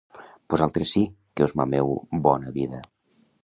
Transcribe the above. Vosaltres sí, que us mameu bona vida!